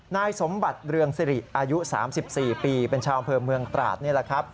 นายสมบัติเรืองสิริอายุ๓๔ปีเป็นชาวอำเภอเมืองตราดนี่แหละครับ